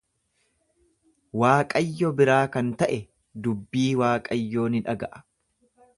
Waaqayyo biraa kan ta'e dubbii Waaqayyoo ni dhaga'a.